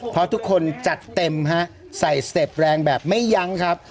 เพราะทุกคนจัดเต็มฮะใส่สเต็ปแรงแบบไม่ยั้งครับ